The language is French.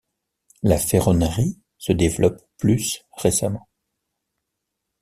La ferronnerie se développe plus récemment.